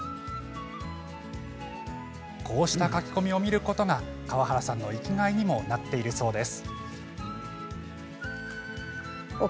こうした書き込みを見ることが川原さんの生きがいにもなっているそうです。